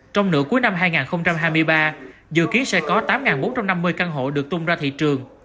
trong nửa cuối năm hai nghìn hai mươi ba dự kiến sẽ có tám bốn trăm năm mươi căn hộ được tung ra thị trường